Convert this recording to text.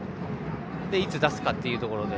いつ出すかというところで。